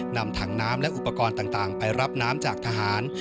นำถังน้ำและอุปกรณ์ต่างไปรับน้ำจากทหาร